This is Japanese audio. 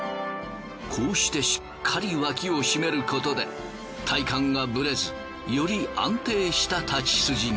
こうしてしっかり脇を締めることで体幹がぶれずより安定した太刀筋に。